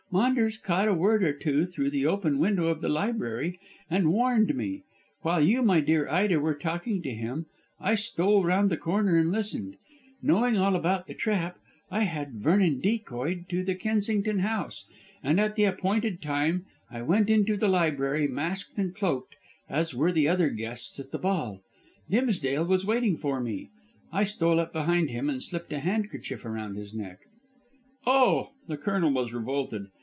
Maunders caught a word or two through the open window of the library and warned me. While you, my dear Ida, were talking to him I stole round the corner and listened. Knowing all about the trap, I had Vernon decoyed to the Kensington house, and at the appointed time I went into the library, masked and cloaked, as were the other guests at the ball. Dimsdale was waiting for me. I stole up behind him and slipped a handkerchief round his neck." "Oh!" The Colonel was revolted.